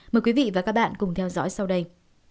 mời quý vị và các bạn cùng theo dõi sau đây